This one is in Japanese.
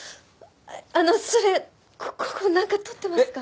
あのそれここなんか撮ってますか？